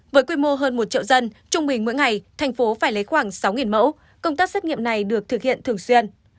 với quy mô hơn một triệu dân trung bình mỗi ngày thành phố phải lấy khoảng sáu mẫu công tác xét nghiệm này được thực hiện thường xuyên